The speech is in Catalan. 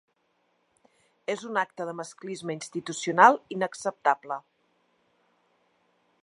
És un acte de masclisme institucional inacceptable.